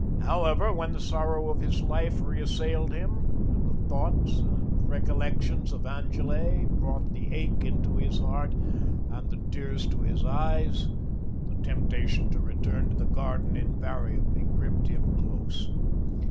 However, when the sorrow of his life reassailed him, and the thoughts and recollections of Angele brought the ache into his heart, and the tears to his eyes, the temptation to return to the garden invariably gripped him close.